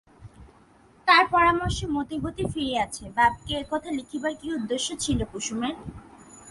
তার পরামর্শে মতিগতি ফিরিয়াছে, বাপকে একথা লিখিবার কী উদ্দেশ্য ছিল কুসুমের?